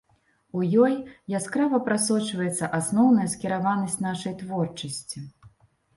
У ёй яскрава прасочваецца асноўная скіраванасць нашай творчасці.